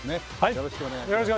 よろしくお願いします。